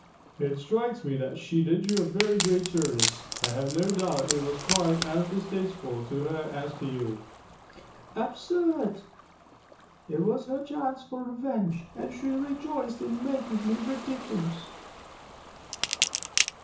"It strikes me that she did you a very great service. I have no doubt it was quite as distasteful to her as to you." "Absurd! It was her chance for revenge, and she rejoiced in making me ridiculous."